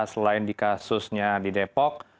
selain di kasusnya di depok